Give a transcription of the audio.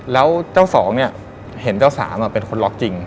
แล้วเจ้าสองเนี่ยเห็นเจ้าสามเป็นคนล็อกจริง